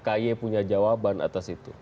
kaye punya jawaban atas itu